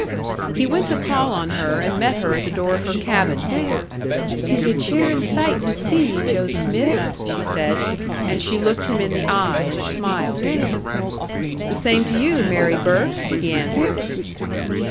He went to call on her, and met her at the door of her cabin. "'Tis a cheerin' sight to see ye, Joe Smith!" she said. And she looked him in the eye and smiled. "The same to you, Mary Burke!" he answered.